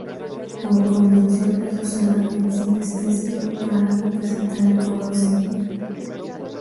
Por convención, es usada en sinestesia para representar el color sepia.